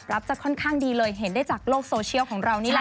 จะค่อนข้างดีเลยเห็นได้จากโลกโซเชียลของเรานี่แหละ